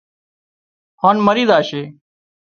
هانَ مرِي زاشي